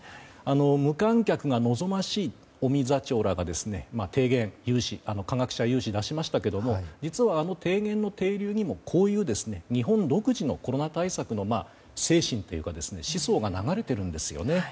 無観客が望ましいと尾身座長らが科学者有志で提言を出しましたけども実は、あの提言の底流にもこういう、日本独自のコロナ対策の精神というか思想が流れているんですね。